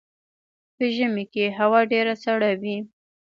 په ژمي کې هوا ډیره سړه وي